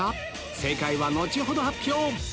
正解は後ほど発表！